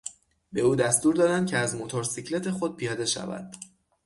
به او دستور دادند که از موتورسیکلت خود پیاده شود.